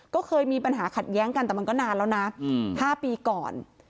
ก็เคยมีปัญหาขัดแย้งกันแต่มันก็นานแล้วนะ๕ปีก่อน